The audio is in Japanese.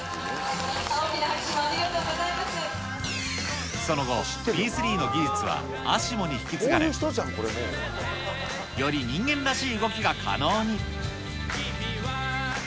大きな拍手をありがとうござその後、Ｐ３の技術はＡＳＩＭＯに引き継がれ、より人間らしい動きが可能に。